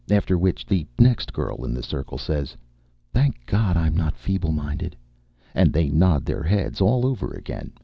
After which the next girl in the circle says, "Thank God I'm not feeble minded," and they nod their heads all over again.